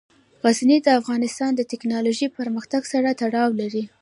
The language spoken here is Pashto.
غزني د افغانستان د تکنالوژۍ پرمختګ سره تړاو لري.